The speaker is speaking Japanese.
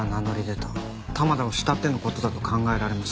玉田を慕っての事だと考えられます。